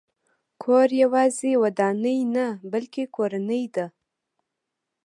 کور یوازې ودانۍ نه، بلکې کورنۍ ده.